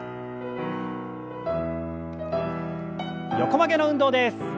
横曲げの運動です。